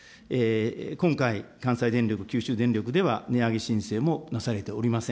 今回、関西電力、九州電力では値上げ申請もなされておりません。